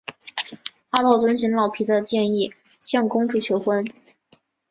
阿宝遵照老皮的建议向公主求婚。